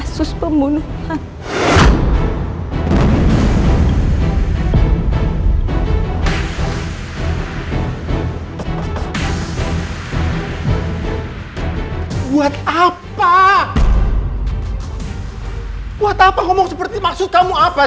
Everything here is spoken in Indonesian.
sampai jumpa di video selanjutnya